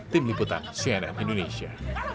tim liputan cnn indonesia